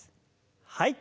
はい。